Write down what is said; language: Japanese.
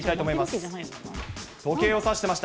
時計をさしてました。